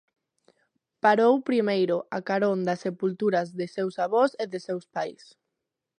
Parou primeiro a carón das sepulturas de seus avós e de seus pais.